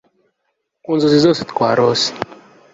ku nzozi zose twarose